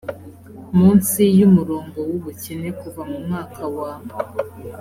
munsi y umurongo w ubukene kuva mu mwaka wa